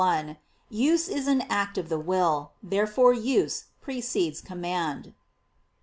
1), use is an act of the will. Therefore use precedes command.